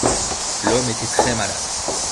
L’homme était très-malade.